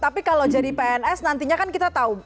tapi kalau jadi pns nantinya kan kita tahu